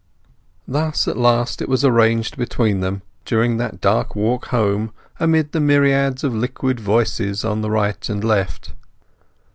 Thus at last it was arranged between them, during that dark walk home, amid the myriads of liquid voices on the right and left.